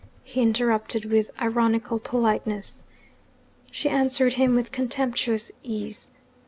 he interrupted with ironical politeness. She answered him with contemptuous ease.